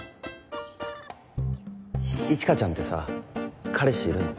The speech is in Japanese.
一華ちゃんてさ彼氏いるの？